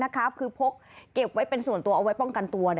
คือพกเก็บไว้เป็นส่วนตัวเอาไว้ป้องกันตัว